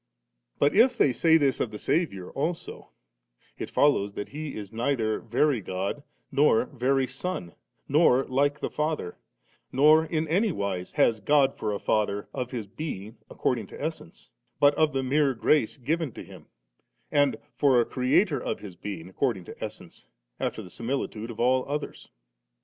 38. But if they say this of the Saviour also^ it follows that He is neither very God nor very Son, nor like the Father, nor in any wise has God for a Father of His being according to essence, but of the mere grace given to Him, and for a Creator of His being according to essence, afrer the similitude of all others.